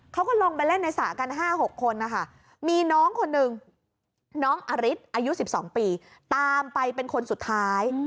เขาก็ลงไปเล่นในสระกัน๕๖คนนะคะมีน้องคนหนึ่งน้องอริสอายุ๑๒ปีตามไปเป็นคนสุดท้าย